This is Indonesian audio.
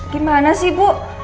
gimana sih bu